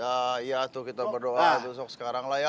ya iya tuh kita berdoa sekarang lah ya